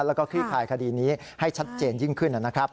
แล้วก็คลี่คลายคดีนี้ให้ชัดเจนยิ่งขึ้นนะครับ